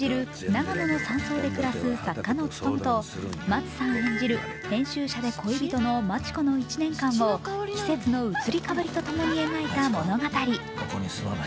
長野の山荘で暮らす作家のツトムと松さん演じる編集者で恋人の真知子の１年間を季節の移り変わりとともに描いた物語。